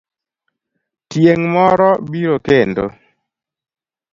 Tieng' moro biro kendo.